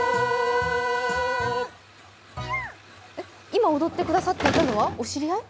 今踊ってくださっていたのは、お知り合い？